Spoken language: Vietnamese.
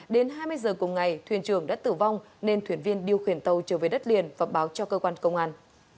đến hai mươi giờ cùng ngày thuyền trường đã tử vong nên thuyền viên điều khiển tàu trở về đất liền và báo cho cơ quan công an